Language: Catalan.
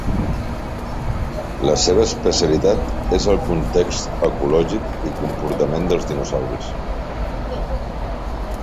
La seva especialitat és el context ecològic i comportament dels dinosaures.